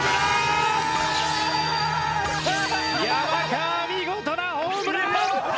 山川見事なホームラン！